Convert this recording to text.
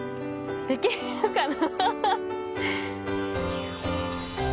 できるかな？